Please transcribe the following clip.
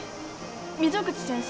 溝口先生